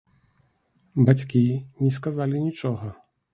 Бацькі не сказалі нічога.